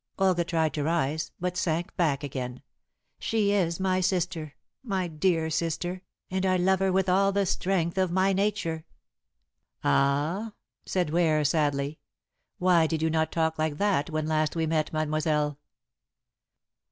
Olga tried to rise, but sank back again. "She is my sister, my dear sister, and I love her with all the strength of my nature." "Ah," said Ware sadly, "why did you not talk like that when last we met, mademoiselle?"